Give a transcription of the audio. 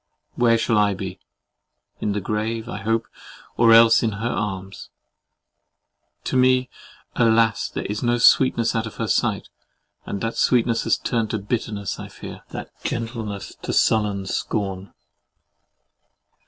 Where shall I be? In the grave, I hope, or else in her arms. To me, alas! there is no sweetness out of her sight, and that sweetness has turned to bitterness, I fear; that gentleness to sullen scorn!